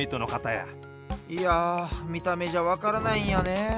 いやみためじゃわからないんやねえ。